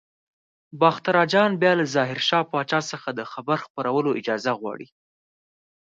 باختر اجان بیا له ظاهر شاه پاچا څخه د خبر خپرولو اجازه غواړي.